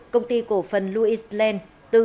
công ty cổ phần louis land